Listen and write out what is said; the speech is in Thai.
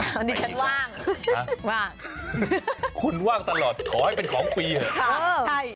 ตอนนี้ฉันว่างว่างคุณว่างตลอดขอให้เป็นของฟรีเถอะ